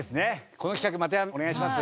この企画またお願いします。